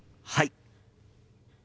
はい！